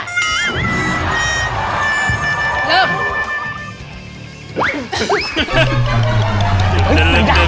เฮ้ยเหมือนการ